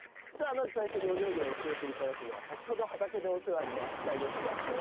まず最初にお料理を教えて頂くのは先ほど畑でお世話になった吉田駿介さんの奥様です。